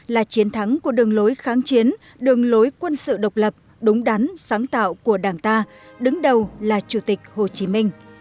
là chiến thắng của đường lối kháng chiến đường lối quân sự độc lập đúng đắn sáng tạo của đảng ta đứng đầu là chủ tịch hồ chí minh